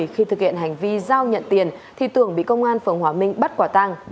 khi thực hiện hành vi giao nhận tiền thì tường bị công an phường hòa minh bắt quả tăng